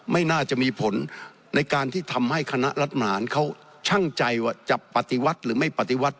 ไม่น่าจะมีผลในการที่ทำให้คณะรัฐมหารเขาช่างใจว่าจะปฏิวัติหรือไม่ปฏิวัติ